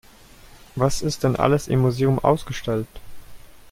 Was ist denn alles im Museum ausgestellt?